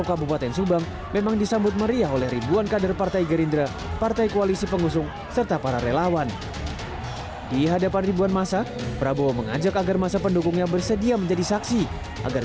prabowo juga berjanji akan memilih menteri menteri yang bekerja dengan benar